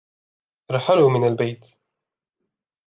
ارحلوا من البيت!